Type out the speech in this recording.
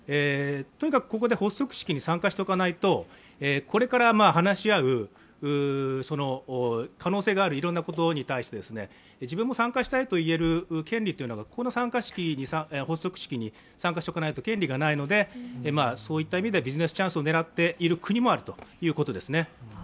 とにかくここで発足式に参加しておかないと、これから話し合う可能性があるいろんなことに対して自分も参加したいといえる権利というのがこの発足式に参加しておかないと権利がないので、そういった意味でビジネスチャンスを狙っている国もあるということですね。